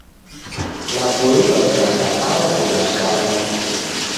Naboilwa sana angu nashanwa.